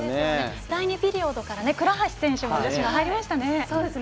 第２ピリオドから女子の倉橋選手も入りましたね。